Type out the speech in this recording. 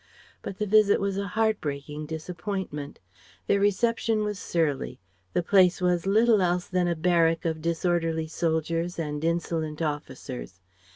But the visit was a heart breaking disappointment. Their reception was surly; the place was little else than a barrack of disorderly soldiers and insolent officers.